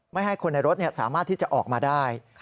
ไม่ให้คนในรถสามารถที่จะออกมาได้